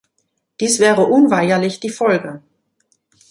Dies wäre unweigerlich die Folge.